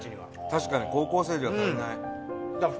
確かに高校生では足りない。